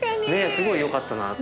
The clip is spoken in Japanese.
すごいよかったな。